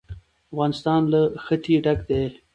افغانستان له ښتې ډک دی.